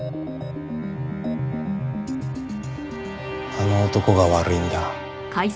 あの男が悪いんだ。